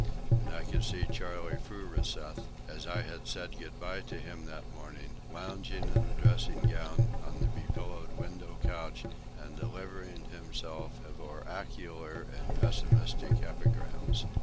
And I could see Charley Furuseth, as I had said good bye to him that morning, lounging in a dressing gown on the be pillowed window couch and delivering himself of oracular and pessimistic epigrams.